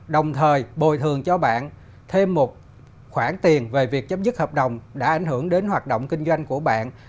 đồng thời bồi thường cho bạn thêm một khoản tiền về việc chấm dứt hợp đồng đã ảnh hưởng đến hoạt động kinh doanh của bạn